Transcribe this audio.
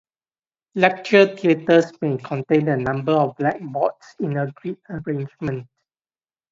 Lecture theatres may contain a number of blackboards in a grid arrangement.